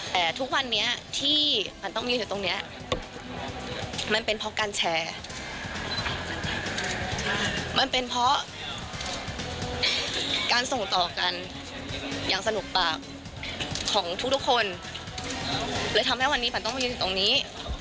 แต่ทุกวันนี้ที่ขวัญต้องมีอยู่ตรงนี้มันเป็นเพราะการแชร์มันเป็นเพราะการส่งต่อกันอย่างสนุกปากของทุกคนเลยทำให้วันนี้ขวัญต้องมายืนอยู่ตรงนี้